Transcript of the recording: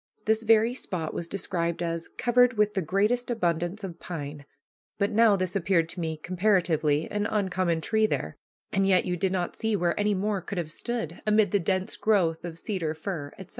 This very spot was described as "covered with the greatest abundance of pine," but now this appeared to me, comparatively, an uncommon tree there and yet you did not see where any more could have stood, amid the dense growth of cedar, fir, etc.